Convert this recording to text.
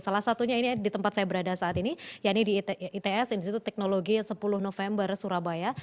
salah satunya ini di tempat saya berada saat ini ya ini di its institut teknologi sepuluh november surabaya